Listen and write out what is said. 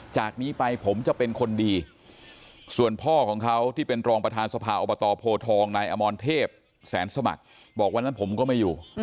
จากนี้ไปผมจะเป็นคนดีส่วนพ่อของเขาที่เป็นรองประธานสภาอบตโพทองนายอมรเทพแสนสมัครบอกวันนั้นผมก็ไม่อยู่